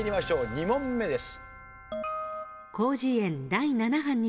２問目です。